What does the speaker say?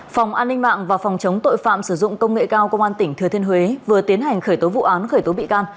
phòng an ninh mạng và phòng chống tội phạm sử dụng công nghệ cao công an tỉnh thừa thiên huế vừa tiến hành khởi tố vụ án khởi tố bị can